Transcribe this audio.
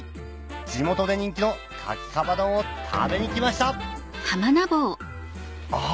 地元で人気の牡蠣カバ丼を食べに来ましたあぁ。